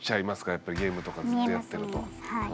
やっぱりゲームとかずっとやってると。